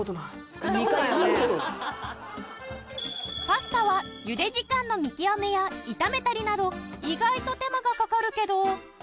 パスタは茹で時間の見極めや炒めたりなど意外と手間がかかるけど。